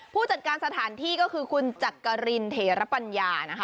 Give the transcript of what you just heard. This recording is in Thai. ผู้จัดการสถานที่ก็คือคุณจักรินเทรปัญญานะคะ